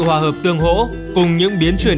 hòa hợp tương hổ cùng những biến chuyển